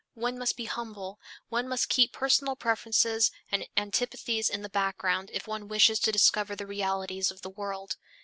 One must be humble, one must keep personal preferences and antipathies in the background, if one wishes to discover the realities of the world.